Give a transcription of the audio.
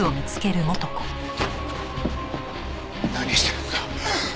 何してるんだ？